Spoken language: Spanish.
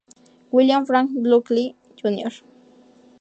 William Frank Buckley, Jr.